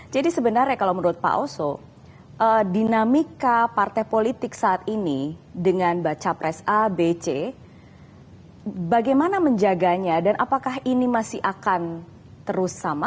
jadi sebenarnya kalau menurut pak oso dinamika partai politik saat ini dengan baca pres a b c bagaimana menjaganya dan apakah ini masih akan terus sama